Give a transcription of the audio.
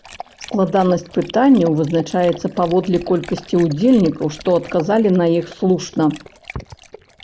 Складанасць пытанняў вызначаецца паводле колькасці ўдзельнікаў, што адказалі на іх слушна.